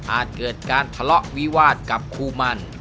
เกิดการทะเลาะวิวาสกับคู่มัน